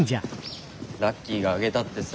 ラッキーが挙げたってさ。